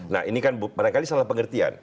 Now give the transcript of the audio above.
nah ini kan kadang kadang salah pengertian